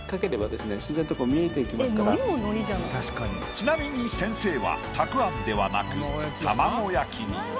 ちなみに先生はたくあんではなく卵焼きに。